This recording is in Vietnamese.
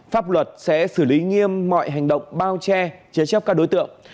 pháp luật sẽ xử lý nghiêm mọi hành động bao che chế chấp các đối tượng